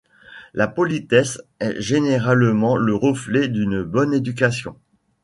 La politesse est généralement le reflet d'une bonne éducation.